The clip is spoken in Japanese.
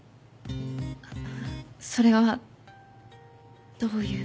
あっそれはどういう？